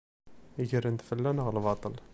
Gren-d fell-aneɣ lbaṭel.